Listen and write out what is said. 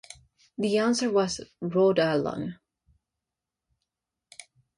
The answer was "Rhode Island".